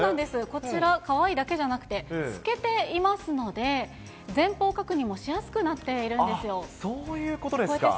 こちら、かわいいだけじゃなくて透けていますので、前方確認もしやすくなそういうことですか。